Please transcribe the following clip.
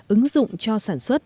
ứng dụng cho sản xuất